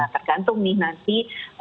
tergantung nih nanti